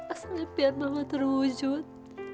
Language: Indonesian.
asal nyampian mama terwujud